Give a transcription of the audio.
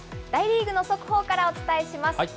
大リーグの速報からお伝えします。